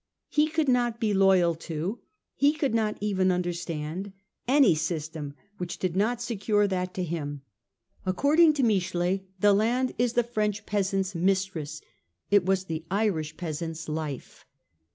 He could not be loyal to, he could not even understand, any system which did not secure that to him. According to Michelet the land is the French peasant's mistress. It was the Irish peasant's life.